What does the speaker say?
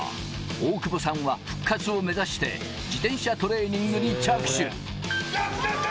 大久保さんは復活を目指して、自転車トレーニングに着手。